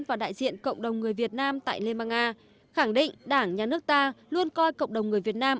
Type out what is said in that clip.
và đại diện cộng đồng người việt nam tại liên bang nga khẳng định đảng nhà nước ta luôn coi cộng đồng người việt nam